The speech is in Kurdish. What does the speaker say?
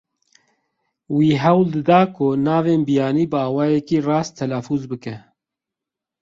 Wî hewl dida ku navên biyanî bi awayekî rast telafûz bike.